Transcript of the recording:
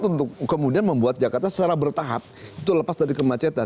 untuk kemudian membuat jakarta secara bertahap itu lepas dari kemacetan